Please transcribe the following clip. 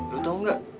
lu tau gak